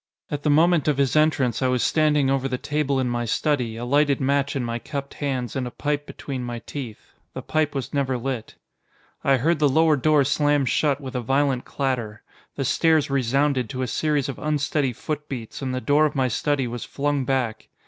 At the moment of his entrance I was standing over the table in my study, a lighted match in my cupped hands and a pipe between my teeth. The pipe was never lit. I heard the lower door slam shut with a violent clatter. The stairs resounded to a series of unsteady footbeats, and the door of my study was flung back.